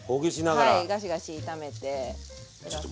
はいガシガシ炒めて下さい。